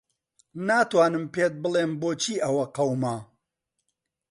ناتوانم پێت بڵێم بۆچی ئەوە قەوما.